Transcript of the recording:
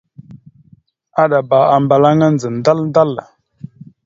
Aɗaba ambalaŋa andza dal-dal.